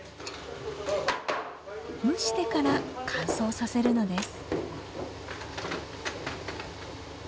蒸してから乾燥させるのです。